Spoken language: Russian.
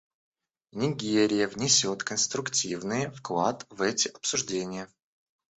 Нигерия внесет конструктивный вклад в эти обсуждения.